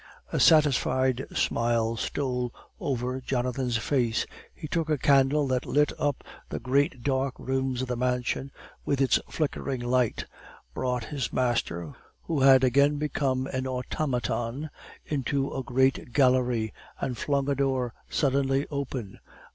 A satisfied smile stole over Jonathan's face. He took a candle that lit up the great dark rooms of the mansion with its flickering light; brought his master, who had again become an automaton, into a great gallery, and flung a door suddenly open.